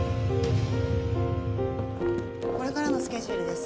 これからのスケジュールです